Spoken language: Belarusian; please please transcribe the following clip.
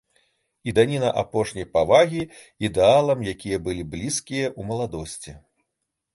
І даніна апошняй павагі ідэалам, якія былі блізкія ў маладосці.